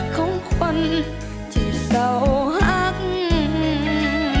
ของคนที่เศร้าฮัก